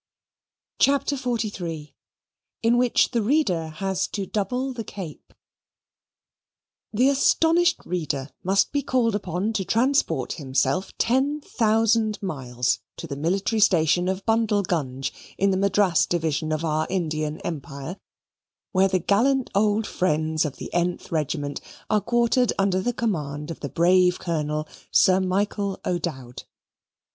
CHAPTER XLIII In Which the Reader Has to Double the Cape The astonished reader must be called upon to transport himself ten thousand miles to the military station of Bundlegunge, in the Madras division of our Indian empire, where our gallant old friends of the th regiment are quartered under the command of the brave Colonel, Sir Michael O'Dowd.